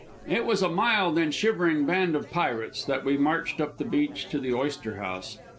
It was a mild and shivering band of pirates that we marched up the beach to the oyster house.